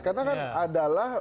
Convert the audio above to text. karena kan adalah